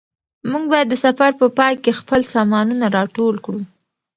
موږ باید د سفر په پای کې خپل سامانونه راټول کړو.